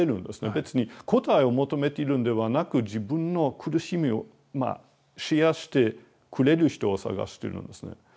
別に答えを求めているんではなく自分の苦しみをシェアしてくれる人を探してるんですね。